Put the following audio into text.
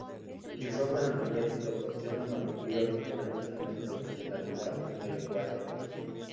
En sus obras anteriores proporciona normativas referentes a la intencionalidad en el lenguaje.